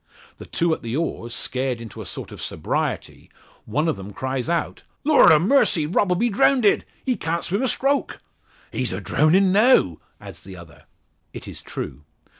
The two at the oars, scared into a sort of sobriety, one of them cries out "Lor' o' mercy! Rob'll be drownded! He can't sweem a stroke." "He's a drownin' now!" adds the other. It is true.